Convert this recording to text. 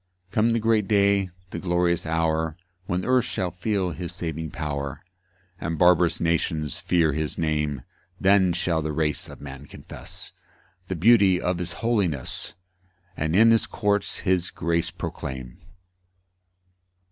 4 Come the great day, the glorious hour, When earth shall feel his saving power, And barbarous nations fear his name; Then shall the race of man confess The beauty of his holiness, And in his courts his grace proclaim.